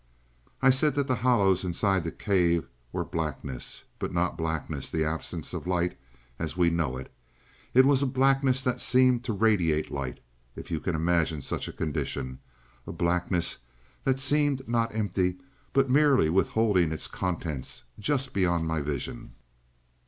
"I said that the hollows inside of the cave were blackness. But not blackness the absence of light as we know it. It was a blackness that seemed also to radiate light, if you can imagine such a condition; a blackness that seemed not empty, but merely withholding its contents just beyond my vision.